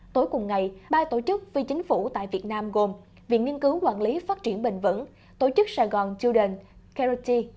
tối cùng ngày ba tổ chức phi chính phủ tại việt nam gồm viện nhiên cứu quản lý phát triển bình vững tổ chức sài gòn children s charity